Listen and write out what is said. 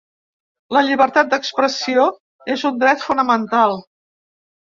La llibertat d’expressió és un dret fonamental.